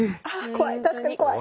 確かに怖い。